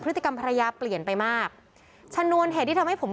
พฤติกรรมภรรยาเปลี่ยนไปมากชนวนเหตุที่ทำให้ผม